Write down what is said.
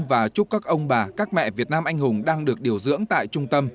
và chúc các ông bà các mẹ việt nam anh hùng đang được điều dưỡng tại trung tâm